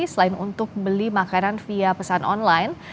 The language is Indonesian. selain untuk beli makanan via pesan online